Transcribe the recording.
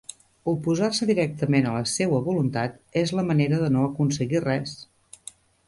Oposar-se directament a la seua voluntat és la manera de no aconseguir res.